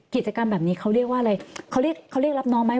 กิจกรรมแบบนี้เขาเรียกว่าอะไรเขาเรียกเขาเรียกรับน้องไหม